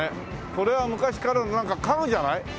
これは昔からのなんか家具じゃない？